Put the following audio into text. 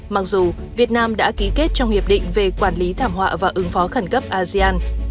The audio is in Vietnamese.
mặc dù việt nam đã ký kết trong hiệp định về quản lý thảm họa và ứng phó khẩn cấp asean